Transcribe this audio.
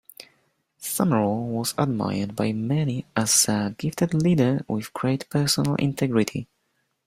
Summerall was admired by many as a gifted leader with great personal integrity.